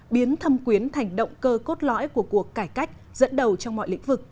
biến thâm quyến thành động cơ cốt lõi của cuộc cải cách dẫn đầu trong mọi lĩnh vực